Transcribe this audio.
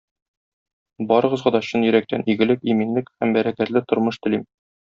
Барыгызга да чын йөрәктән игелек, иминлек һәм бәрәкәтле тормыш телим!